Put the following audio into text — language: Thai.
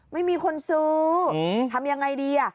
ไม่มีคนซื้อทำยังไงดี